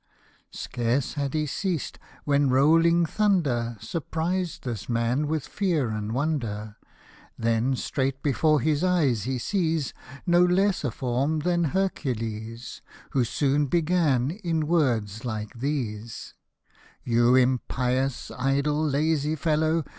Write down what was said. " 14 Scarce had he ceased, when rolling thunder Surprised this man with fear and wonder ; Then straight before his eyes he sees No less a form than Hercules, Who soon began in words like these :" You impious, idle, lazy fellow